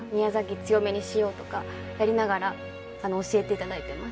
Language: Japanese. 強めにしようとかやりながら教えていただいています。